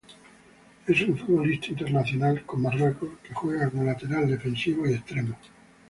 Es un futbolista internacional con Marruecos que juega como lateral defensivo y extremo.